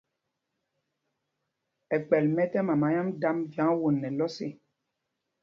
Ɛkpɛl mɛ tɛ́m mama yám dámb vyǎŋ won nɛ lɔs ê.